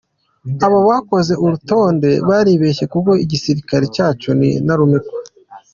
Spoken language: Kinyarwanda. Aba bakoze uru rutonde baribeshye kuko igisirikare cyacu ni intarumikwa.